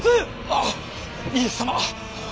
あっ家康様！